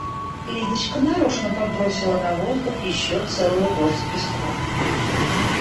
Лидочка нарочно подбросила на воздух ещё целую горсть песку.